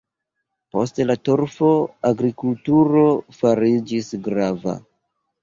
Post la torfo agrikulturo fariĝis grava.